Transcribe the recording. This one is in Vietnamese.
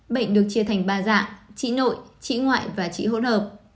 bệnh được chia thành ba dạng trĩ nội trĩ ngoại và trĩ hỗn hợp